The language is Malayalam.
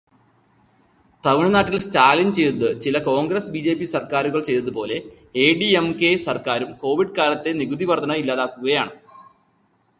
തമിഴ്നാട്ടിൽ സ്റ്റാലിൻ ചെയ്തത് ചില കോൺഗ്രസ്-ബിജെപി സർക്കാരുകൾ ചെയ്തതുപോലെ എഐഡിഎംകെ സർക്കാരും കോവിഡ് കാലത്തെ നികുതിവർദ്ധന ഇല്ലാതാക്കുകയാണ്.